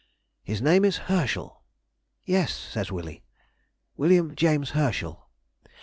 'His name is Herschel.' 'Yes,' says Willie, 'William James Herschel.